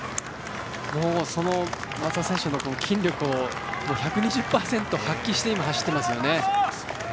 その松田選手の筋力１２０％発揮して、走っていますよね。